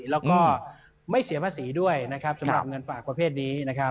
แล้วก็ไม่เสียภาษีด้วยนะครับสำหรับเงินฝากประเภทนี้นะครับ